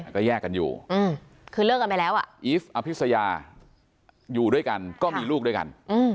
ก็แยกกันอยู่คือเลิกกันไปแล้วอีฟอภิษยาอยู่ด้วยกันก็มีลูกด้วยกัน